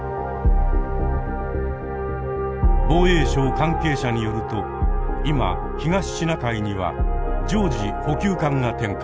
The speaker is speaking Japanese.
防衛省関係者によると今東シナ海には常時補給艦が展開。